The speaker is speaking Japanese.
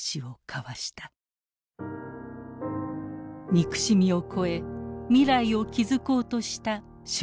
憎しみを超え未来を築こうとした瞬間だった。